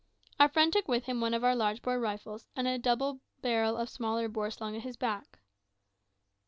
Our friend took with him one of our large bore rifles, and a double barrel of smaller bore slung at his back.